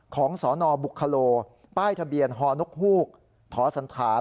ของสนบุคคโลป้ายทะเบียนฮนฮถศ๑๓๕๑